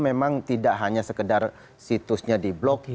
memang tidak hanya sekedar situsnya di blok